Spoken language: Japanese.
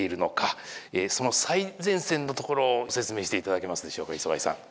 その最前線のところをご説明して頂けますでしょうか磯貝さん。